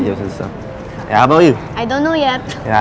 อยากเริ่มเล่นอยากบอกทุกคน